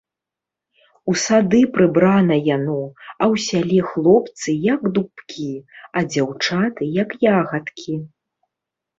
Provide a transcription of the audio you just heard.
У сады прыбрана яно, а ў сяле хлопцы, як дубкі, а дзяўчаты, як ягадкі.